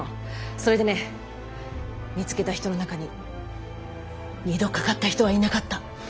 それでね見つけた人の中に二度かかった人はいなかった！